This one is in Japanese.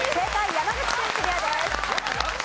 山口県クリアです。